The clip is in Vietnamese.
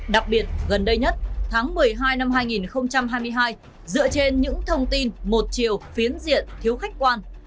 đặc biệt gần đây nhất tháng một mươi hai năm hai nghìn hai mươi hai dựa trên những thông tin một chiều phiến diện thiếu khách quan